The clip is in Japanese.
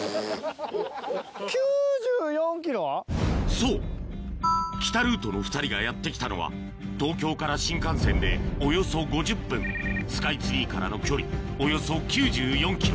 そう北ルートの２人がやって来たのは東京から新幹線でおよそ５０分スカイツリーからの距離およそ９４ｋｍ